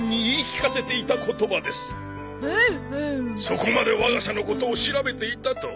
そこまで我が社のことを調べていたとは。